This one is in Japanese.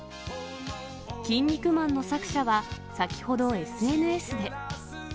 キン肉マンの作者は、先ほどＳＮＳで。